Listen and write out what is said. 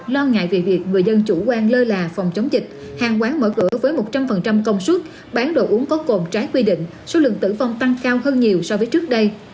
lo ngại về việc người dân chủ quan lơ là phòng chống dịch hàng quán mở cửa với một trăm linh công suất bán đồ uống có cồn trái quy định số lượng tử vong tăng cao hơn nhiều so với trước đây